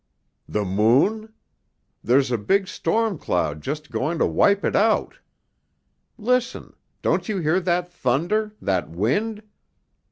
"The moon? There's a big storm cloud just going to wipe it out. Listen! Don't you hear that thunder, that wind?"